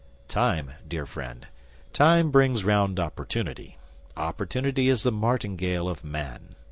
"Time, dear friend, time brings round opportunity; opportunity is the martingale of man.